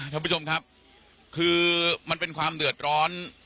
ท่านผู้ชมครับคือมันเป็นความเดือดร้อน